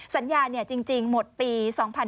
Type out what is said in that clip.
สัญญาจริงหมดปี๒๕๕๙